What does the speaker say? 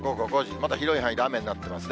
まだ広い範囲で雨になってますね。